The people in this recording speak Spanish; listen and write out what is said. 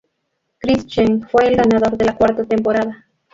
Chris Cheng fue el ganador de la cuarta temporada.